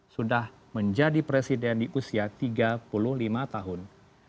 sudah menjadi presiden di usia tiga puluh lima tahun